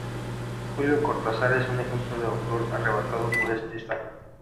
Julio Cortázar es un ejemplo de autor arrebatado por este estado.